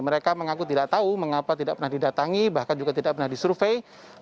mereka mengaku tidak tahu mengapa tidak pernah didatangi bahkan juga tidak pernah disurvey